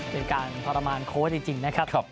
เป็นการทรมานโค้ชจริงนะครับ